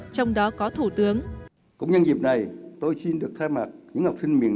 trong đó có thủ tướng